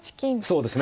そうですね。